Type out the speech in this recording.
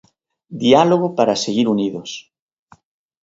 "Diálogo para seguir unidos".